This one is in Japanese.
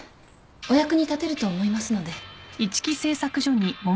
お役に立てると思いますので。